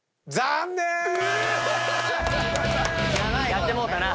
⁉やってもうたな。